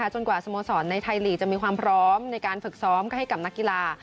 กว่าสโมสรในไทยลีกจะมีความพร้อมในการฝึกซ้อมให้กับนักกีฬา